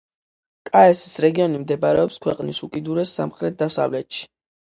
კაესის რეგიონი მდებარეობს ქვეყნის უკიდურეს სამხრეთ-დასავლეთში.